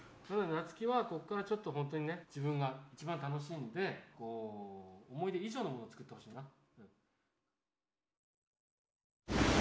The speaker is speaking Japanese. なつきはこっからちょっとほんとにね自分が一番楽しんで思い出以上のものを作ってほしいな。